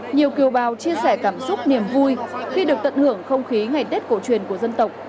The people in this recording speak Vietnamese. nhiều kiều bào chia sẻ cảm xúc niềm vui khi được tận hưởng không khí ngày tết cổ truyền của dân tộc